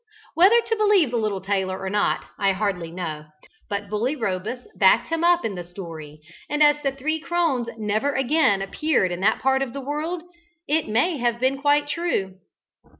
Whether to believe the little tailor or not I hardly know, but Bully Robus backed him up in the story, and as the three crones never again appeared in that part of the world, it may have been quite true.